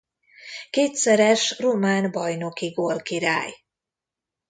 Kétszeres román bajnoki gólkirály.